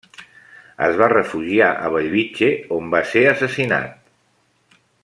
Es va refugiar a Bellvitge on va ser assassinat.